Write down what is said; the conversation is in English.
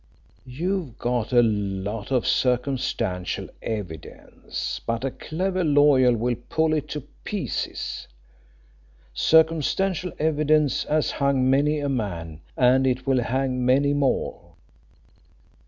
"You've got a lot of circumstantial evidence, but a clever lawyer will pull it to pieces. Circumstantial evidence has hung many a man, and it will hang many more.